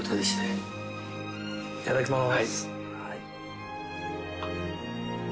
いただきます。